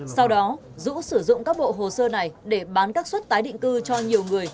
sau đó dũ sử dụng các bộ hồ sơ này để bán các suất tái định cư cho nhiều người